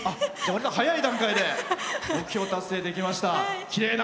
早い段階で目標達成できました。